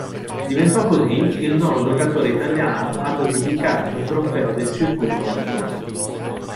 Diventò così il nono giocatore italiano ad aggiudicarsi un trofeo del circuito maggiore.